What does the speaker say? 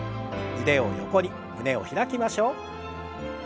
腕を横に胸を開きましょう。